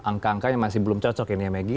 angka angkanya masih belum cocok ini ya megi